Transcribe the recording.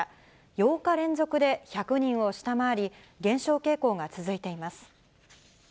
８日連続で１００人を下回り、減少傾向が続いています。